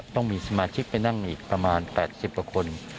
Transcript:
ต้องมีสมาชิกไปนั่งอีกประมาณ๘๐กว่าคน